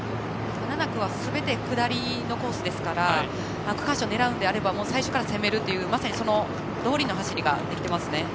７区はすべて下りのコースですから区間賞狙うのであれば最初から攻めるというまさにそのとおりの走りができていますね。